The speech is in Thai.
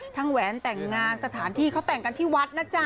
แหวนแต่งงานสถานที่เขาแต่งกันที่วัดนะจ๊ะ